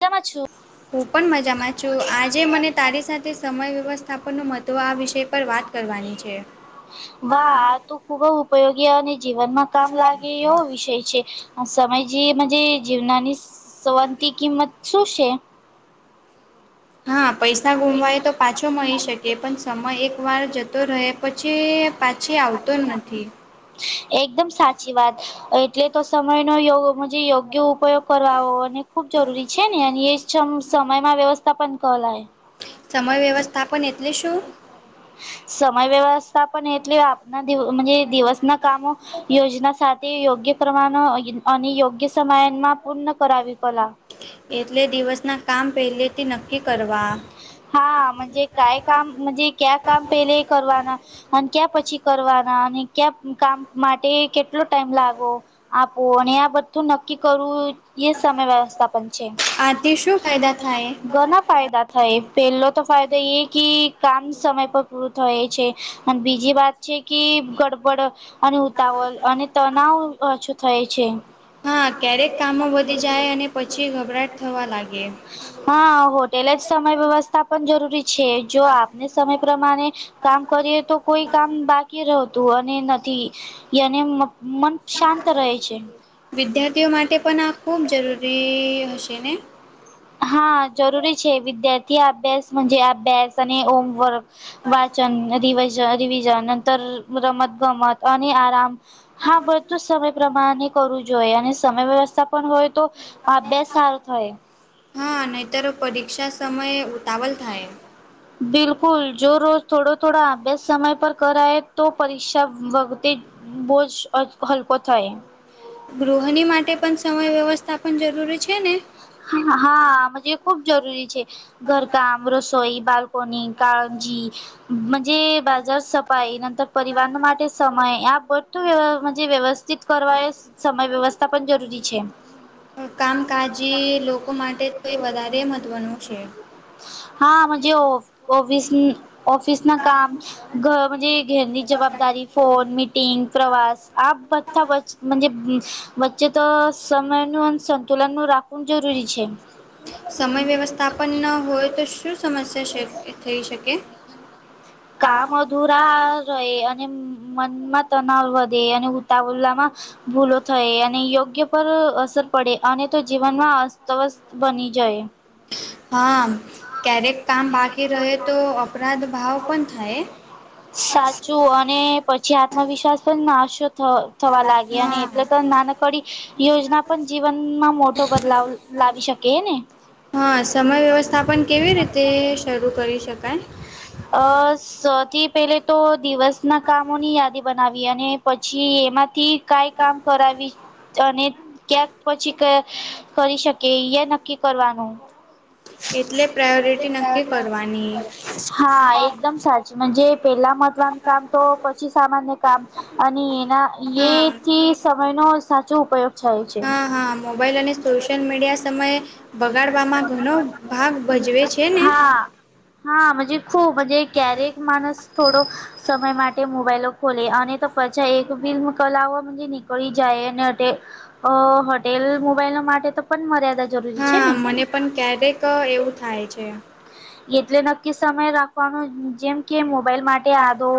કેમ છો? હું પણ મજામાં છું, આજે મને તારી સાથે સમય વ્યવસ્થાપનનો મદો આ વિષય પર વાત કરવાની છે. વાહ, આ તો ખૂબ જ ઉપયોગી અને જીવનમાં કામ લાગે એવો વિષય છે. સમયજીજ જીવનાની સવંતી કિંમત શું છે? હા, પૈસા ગુમાવાય તો પાછો મળી શકે, પણ સમય એક વાર જતો રહે. પછી પાછી આવતો જ નથી. એકદમ સાચી વાત, એટલે તો સમય નયો યોગ્ય ઉપયોગ કરવાને ખૂબ જરૂરી છે ને, અને એ સમયમાં વ્યવસ્થા પણ ક લય સમય વ્યવસ્થાપન એટલે શું? સમય વ્યવસ્થા પણ એટલે આપના દ દિવસના કામો યોજના સાથે યોગ્ય કમાનો અને યોગ્ય સમયમાં પૂર્ણ કરાવવી કલા એટલે દિવસના કામ પહેલેથી નક્કી કરવા. હાજ કઈ કામ જ ક્યા કામ પેલે કરવાના. અને ક્યાં પછી કરવાના, અને ક્યાં કામ માટે કેટલો ટાઈમ લાગો. આપો, અને આ બધું નક્કી કરવું એ સમય વ્યવસ્થા પણ છે. આથી શું ફાયદા થાય? ઘણા ફાયદા થાય, પેલો તો ફાયદો એ કે, કામ સમય પર પૂરું થાય છે, અને બીજી વાત છે કે, ગડબડ અને ઉતાવળ અને તનાવ ઓછું થાય છે. હા, ક્યારેક કામો વધી જાય, અને પછી ગભરાટ થવા લાગે. હા, હોટેલ જ સમય વ્યવસ્થા. પણ જરૂરી છે, જો આપને સમય પ્રમાણે કામ કરીએ તો કોઈ કામ બાકી રહતું અને નથીને મન શાંત રહે છે. વિદ્યાર્થીઓ માટે પણ આ ખૂબ જરૂરી હશે ને. હા જરૂરી છે, વિદ્યાર્થી અભ્યાસ જ અભ્યાસ અને હોમવર્ક વાચન ર રિવિઝન નંતર રમત ગમત અને આરામ. હા, બતું જ સમય પ્રમાણે. કરવું જોઈએ, અને સમય વ્યવસ્થા પણ હોય તો, અભ્યાસ સારો થાય. [unintelligible] બિલકુલ, જો રોજ થોડો થોડો આપે સમય પર કરાય. તો પરીક્ષા વખતે બોજ અ-હલ્પ થાઈ. ગૃહાની માટે પણ સમય વ્યવસ્થાપન જરૂરી છે ને. હા, આમાં જ ખુબ જરૂરી છે. ઘરકામ રસોઈ બાલ્કોની કાળંજી. જે બાજાર સપાય નંતર પરિવાહન માટે સમય આ બ [unintelligible] વ્યવસ્થિત કરવા, એ સમય વ્યવસ્થા પણ જરૂરી છે. કામકાજી લોકો માટે તો એ વધારે મહત્ત્વનું છે. હા, જ ઓફિસ ઓફિસ ના કામ ઘજ ઘેરની જવાબદારી [unintelligible] ફોન મીટિંગ પ્રવાસ આ બથા બચ્ચે તો સમય નું અને સંતુલન નું રાખવું જરૂરી છે. સમય વ્યવસ્થાપન ન હોય, તો શું સમસ્યા શ-થઈ શકે? [inaudible] કા મધુરા... રહે અને મનમાં તનાવ વધે અને ઉતાવલામાં ભૂલો થાય અને યોગ્ય પર અસર પડે અને તો જીવનમાં અસ્તવસ્ત બની જાય. હા, ક્યારેક કામ બાકી રહે, તો અપરાધ ભાવ કો થાય. સાચું અને પછી આત્મવિશ્વાસ પણ ના થવા લાગી અને હા. એટલે તો નાનકડી યોજના પણ જીવનમાં મોટો બદલાવ લાવી શકે ને. હા, સમય વ્યવસ્થા પણ કેવી રીતે શરૂ કરી શકાય? અ સૌથી પહેલે તો દિવસના કામોની યાદી. બનાવી અને પછી એમાંથી કઈ કામ કરાવી. અને ક્યાંક પછી કરી શકે, એ નક્કી કરવાનું. એટલે પ્રાયોરિટી નક્કી કરવાની. હા એક સાચી પેલા મહવાનું કામ તો પછી સામાન્ય કામ. અને એના એ હા. થી સમયનો સાચો ઉપયોગ થાય છે હા હા મોબાઈલ અને સોશિયલ મીડિયા સમયે. બગાડવાવામાં ઘણો ભાગ ભજવે છે ને. હા ખુબજ ક્યારેક માણસ થોડો, સમય માટે મોબાઈલ ખોલે અને તો પછા એક ફિલ્મ કલાઓ નીકળી જાય અને. અ હોટેલ મોબાઈલ માટે તો પણ મર્યાદા જરૂરી છે હા ને મને પણ ક્યારેક એવું થાય છે. એટલે નક્કી સમય રાખવાનો જેમ કે મોબાઈલ માટે આધો,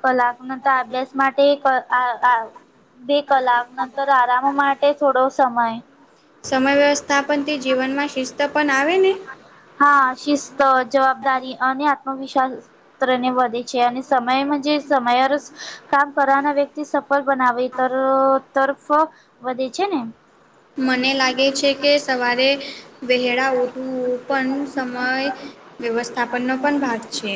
કલાક ન અભ્યાસ માટે બે કલાક નંતર આરામ માટે થોડો સમય. સમય વ્યવસ્થાપનથી જીવનમાં શિસ્ત પણ આવે ને. હા શિસ્ત જવાબદારી અને આત્મવિશ્વાસ. વધે છે અને સમયજ સમય કામ કરવાના વ્યક્તિ સફળ બનાવે તરફ, વધે છે ને. [inaudible] મને લાગે છે કે સવારે, વહેળ ઉઠું પણ સમય વ્યવસ્થાપનનો પણ ભાગ છે.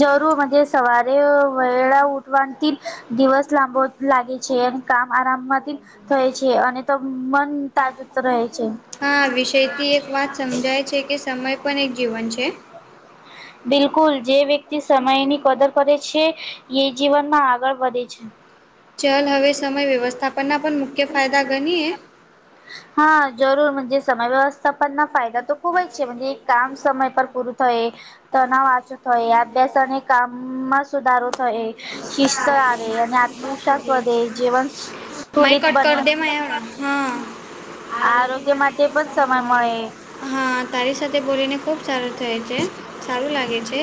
જરૂુજ સવારે વેળલા ઉઠવા તી, દિવસ લાંબો લાગે છે અને કામ આરામમાંથી થાય છે અને મન તાજું રહે છે. હા વિષયથી એક વાત સમજાય છે કે સમય પણ એક જીવન છે. કુલ જે વ્યક્તિ સમયની કદર કરે છે, એ જીવનમાં આગળ વધે છે. ચલ હવે સમય વ્યવસ્થાપનના પણ મુખ્ય ફાયદા ગણીએ. હા જરૂર જે સમય વ્યવસ્થા પનના ફાયદા તો ખૂબ જ છે જે કામ સમય પર પૂરું થાય, તનાવા અભ્યાસ અને કામમાં સુધારો થાય શિસ્ત આવે, અને આત્મવિશ્વાસ વધે જીવન માય સંતુલિત કટ બને, કર દે માય હા આરોગ્ય માટે પણ સમય મળે. હા તારી સાથે બોલીને ખુબ સારું થાય છે, સારું લાગે છે.